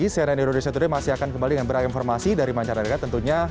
selamat pagi salam sehat